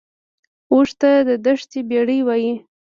اوښ ته د دښتې بیړۍ وایي